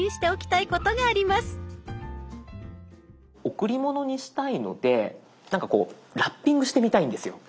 贈り物にしたいのでなんかこうラッピングしてみたいんですよ。